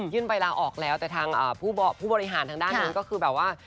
ใบลาออกแล้วแต่ทางผู้บริหารทางด้านนั้นก็คือแบบว่า